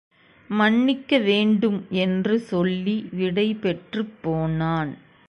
மன்னிக்கவேண்டும் என்று சொல்லி விடைபெற்றுப் போனான்.